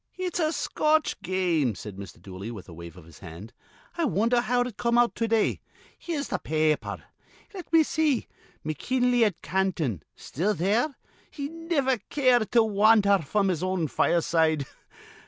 "It's a Scotch game," said Mr. Dooley, with a wave of his hand. "I wonder how it come out to day. Here's th' pa aper. Let me see. McKinley at Canton. Still there. He niver cared to wandher fr'm his own fireside.